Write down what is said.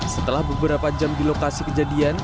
setelah beberapa jam di lokasi kejadian